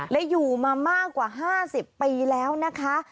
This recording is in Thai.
และอยู่มามากกว่า๕๐ปีแล้วนะคะ